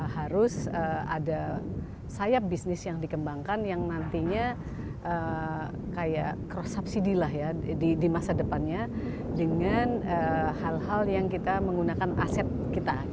harus ada sayap bisnis yang dikembangkan yang nantinya kayak cross subsidi lah ya di masa depannya dengan hal hal yang kita menggunakan aset kita